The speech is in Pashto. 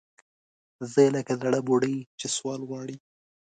زه لکه زَړه بوډۍ چې سوال غواړي